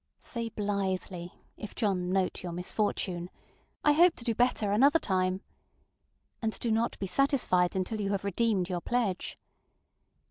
Say blithely, if John note your misfortuneŌĆöŌĆ£I hope to do better another time, ŌĆØ and do not be satisfied until you have redeemed your pledge.